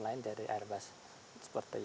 lain dari airbus seperti